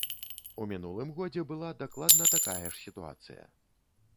У мінулым годзе была дакладна такая ж сітуацыя.